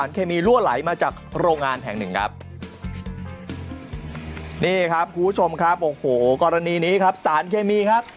นี่ครับคุณผู้ชมครับโอ้โหกรณีนี้ครับสารเคมีครับ